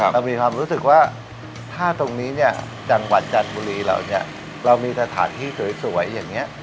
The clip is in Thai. เรามีความรู้สึกว่าถ้าตรงนี้จังหวัดจัดบุหรี่เรามีตรฐานที่สวยอย่างเนี้ย